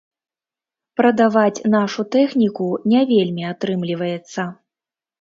Прадаваць нашу тэхніку не вельмі атрымліваецца.